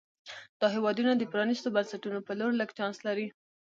دا هېوادونه د پرانیستو بنسټونو په لور لږ چانس لري.